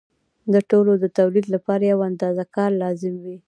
د ټولو د تولید لپاره یوه اندازه کار لازم وي